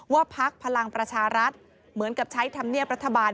พักพลังประชารัฐเหมือนกับใช้ธรรมเนียบรัฐบาล